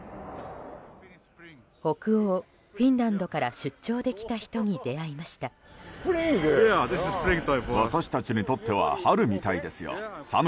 北欧フィンランドから出張で来た人に出会いました。